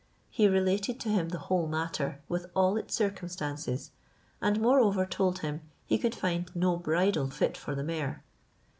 He related to him the whole matter, with all its circumstances, and moreover told him, he could find no bridle fit for the mare.